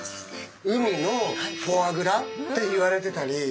海のフォアグラっていわれてたり。